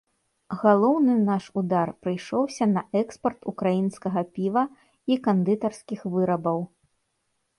Галоўны наш удар прыйшоўся на экспарт украінскага піва і кандытарскіх вырабаў.